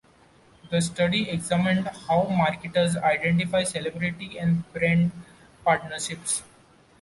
The study examined how marketers identify celebrity and brand partnerships.